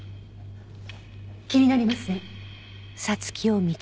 気になりますね。